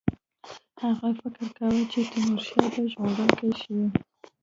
هغه فکر کاوه چې تیمورشاه به ژغورونکی شي.